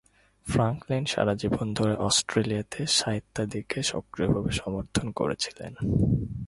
Franklin সারা জীবন ধরে অস্ট্রেলিয়াতে সাহিত্যাদিকে সক্রিয়ভাবে সমর্থন করেছিলেন।